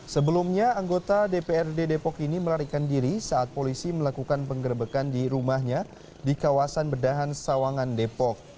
sebelumnya anggota dprd depok ini melarikan diri saat polisi melakukan penggerbekan di rumahnya di kawasan bedahan sawangan depok